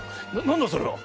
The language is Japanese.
何だそれは？